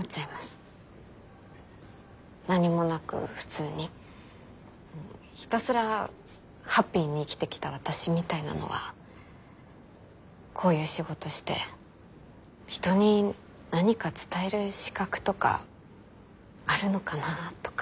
何もなく普通にひたすらハッピーに生きてきた私みたいなのはこういう仕事して人に何か伝える資格とかあるのかなとか。